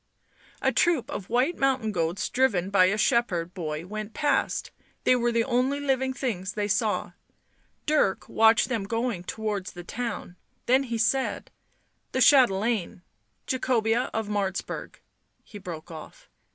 A troop of white mountain goats driven by a shepherd boy went past, they were the only living things they saw. Dirk watched them going towards the town, then he said: " The chatelaine ... Jacobea of Martz burg " he broke off.